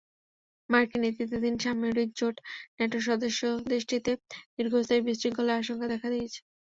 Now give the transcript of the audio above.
মার্কিন নেতৃত্বাধীন সামরিক জোট ন্যাটোর সদস্যদেশটিতে দীর্ঘস্থায়ী বিশৃঙ্খলার আশঙ্কা দেখা দিয়েছে।